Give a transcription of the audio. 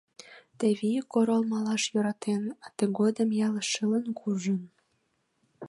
Теве ик орол малаш йӧратен, а тыгодым ял шылын куржын!